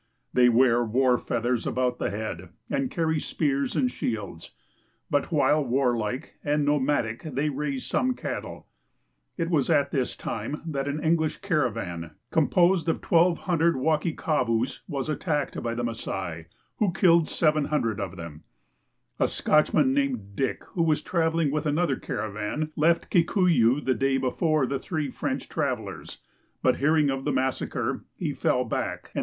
They wear war feath ers a'oout the head and carry spears and shields, but while warlike and nomadic they raise some cattle. It was at this time that an English caravan, composed of 1,200 Wakikovns, was attacked by the Ma.saV, who killed 700 of them. A Scotchman, named Dick, who was traveling with another caravan, left Kikuyu the day before the three French travelers, but hearing of the massacre he fell back and